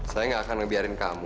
saya tidak akan membiarkan kamu